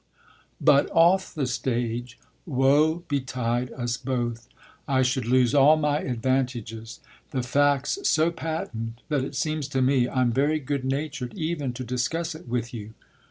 But off the stage, woe betide us both, I should lose all my advantages. The fact's so patent that it seems to me I'm very good natured even to discuss it with you."